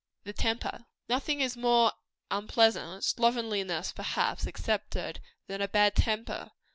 THE TEMPER. Nothing is more unpleasant slovenliness, perhaps, excepted than a bad temper.